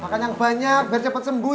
makan yang banyak biar cepat sembuh